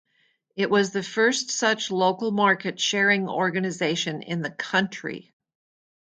It was the first such local market sharing organization in the country.